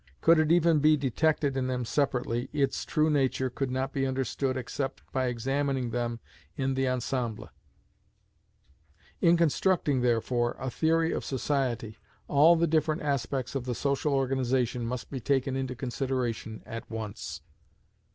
Could it even be detected in them separately, its true nature could not be understood except by examining them in the ensemble. In constructing, therefore, a theory of society, all the different aspects of the social organization must be taken into consideration at once.